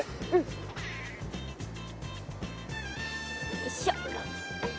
よいしょ。